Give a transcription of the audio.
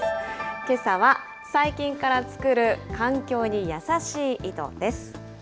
けさは、細菌から作る環境に優しい糸です。